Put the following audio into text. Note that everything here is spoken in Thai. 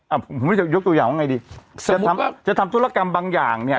อ่ะผมไม่ได้ยกตัวอย่างว่าไงดีจะทำจะทำธุรกรรมบางอย่างเนี้ย